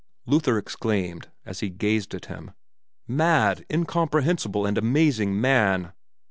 Luther exclaimed, as he gazed at him, "Mad, incomprehensible, and amazing man!